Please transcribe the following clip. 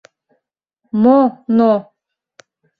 Мо «но»?